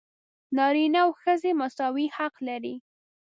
نارینه او ښځې مساوي حق لري.